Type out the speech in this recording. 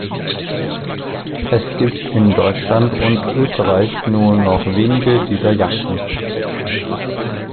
Es gibt in Deutschland und Österreich nur noch wenige dieser Yachten.